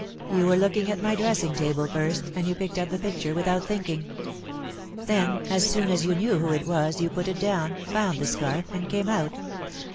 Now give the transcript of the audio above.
You were looking at my dressing table first, and you picked up the picture without thinking. Then, as soon as you knew who it was, you put it down, found the scarf, and came out."